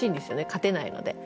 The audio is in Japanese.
勝てないので。